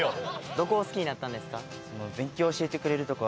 どこを好きになったんですか？